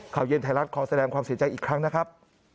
ข่าวเย็นไทยรัฐขอแสดงความเสียใจอีกครั้งนะครับ